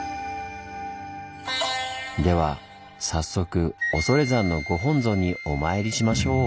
では早速恐山のご本尊にお参りしましょう。